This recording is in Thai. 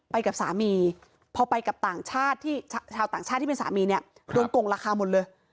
ไปกับสามีพอไปกับต่างชาติที่ชาวต่างชาติที่เป็นสามีเนี่ยโดนโกงราคาหมดเลย